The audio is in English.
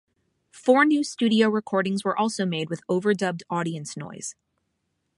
Four new studio recordings were also made with overdubbed audience noise.